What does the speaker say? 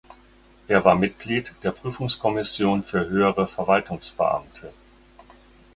Er war Mitglied der Prüfungskommission für höhere Verwaltungsbeamte.